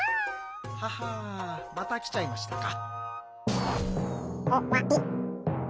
ははまたきちゃいましたか。